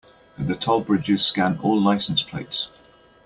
The toll bridges scan all license plates.